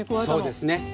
そうですね。